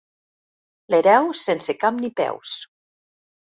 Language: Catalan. L'hereu sense cap ni peus.